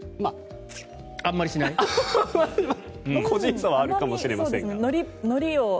個人差はあるかもしれませんが。